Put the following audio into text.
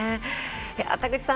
田口さん